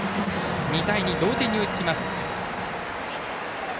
２対２、同点に追いつきます。